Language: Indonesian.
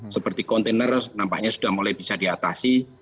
seperti kontainer nampaknya sudah mulai bisa diatasi